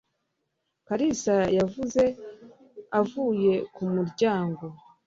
Kalisa yavuze avuye ku muryango.